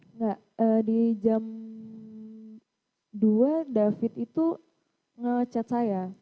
enggak di jam dua david itu ngecet saya